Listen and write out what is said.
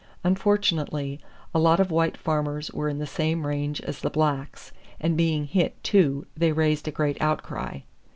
Unfortunately, a lot of white farmers were in the same range as the blacks, and being hit, too, they raised a great outcry.